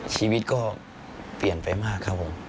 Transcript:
ชีวิตก็เปลี่ยนไปมากครับผม